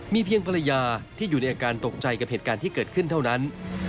มีเพียงภรรยาที่อยู่ในอาการตกใจกับเหตุการณ์ที่เกิดขึ้นเท่านั้น